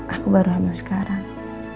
aku baru hamil sekarang